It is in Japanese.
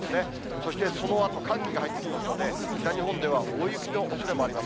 そしてそのあと寒気が入ってきますので、北日本では大雪のおそれもあります。